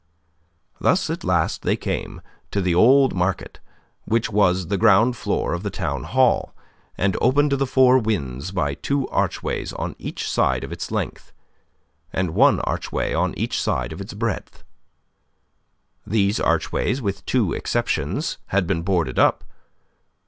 Thus at last they came to the old market, which was the groundfloor of the town hall, and open to the four winds by two archways on each side of its length, and one archway on each side of its breadth. These archways, with two exceptions, had been boarded up.